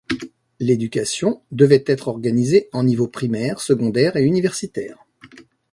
L'éducation devait être organisée en niveaux primaire, secondaire et universitaire.